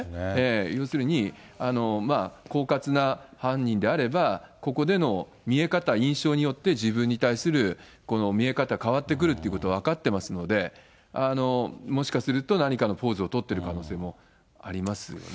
要するに、こうかつな犯人であれば、ここでの見え方、印象によって自分に対する見え方、変わってくるということは分かってますので、もしかすると何かのポーズをとってる可能性もありますよね。